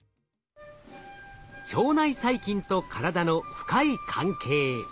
腸内細菌と体の深い関係。